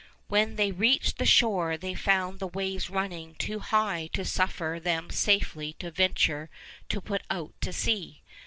When they reached the shore, they found the waves running too high to suffer them safely to venture to put out to sea.